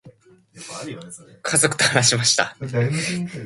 家族と話しました。